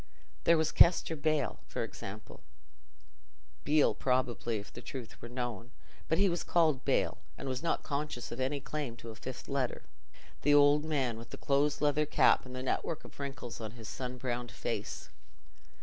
There was Kester Bale, for example (Beale, probably, if the truth were known, but he was called Bale, and was not conscious of any claim to a fifth letter), the old man with the close leather cap and the network of wrinkles on his sun browned face.